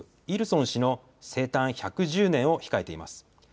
イルソン氏の生誕１１０年を控えています。